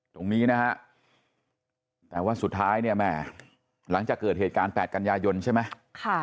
ตรงนี้นะฮะแต่ว่าสุดท้ายเนี่ยแม่หลังจากเกิดเหตุการณ์๘กันยายนใช่ไหม